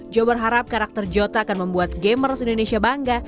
joe berharap karakter jota akan membuat gamers indonesia bangga